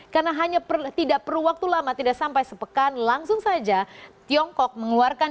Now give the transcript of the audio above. karena hanya tidak perlu waktu lama tidak sampai sepekan langsung saja tiongkok mengeluarkan